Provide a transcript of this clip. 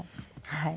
はい。